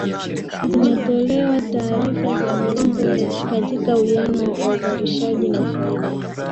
zinatolewa taarifa za uongo katika uwiano wa uzalishaji na faida